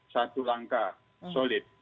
satu langkah solid